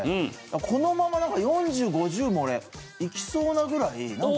このまま４０５０もいきそうなぐらい。